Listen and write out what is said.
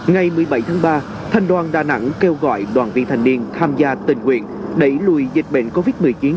ngày một mươi bảy tháng ba thành đoàn đà nẵng kêu gọi đoàn viên thanh niên tham gia tình nguyện đẩy lùi dịch bệnh covid một mươi chín